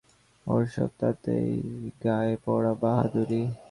ওর সব তাতেই গায়ে পড়া বাহাদুরি।